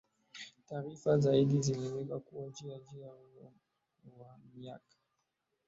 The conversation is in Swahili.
taarifa zaidi zinaeleza kuwa kijana huyo kijana huyo mwenye umri wa miaka